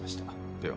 では。